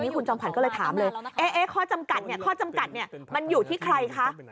คุณจอมขวัญก็เลยถามเลยข้อจำกัดข้อจำกัดมันอยู่ที่ใครคะ